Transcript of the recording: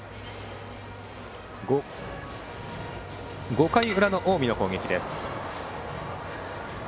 ５回裏の近江の攻撃です。